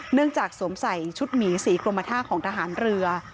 เนื่องจากสวมใส่ชุดหมีสีกลมท่าของทหารเรือ